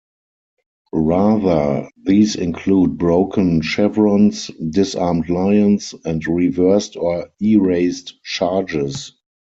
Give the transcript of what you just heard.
Rather, these include broken chevrons, disarmed lions, and reversed or erased charges.